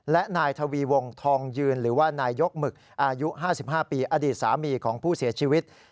และนายทวีวงทองยืนหรือว่านายยกหมึกอายุ๕๕ปีอดีตสามีของผู้เสียชีวิต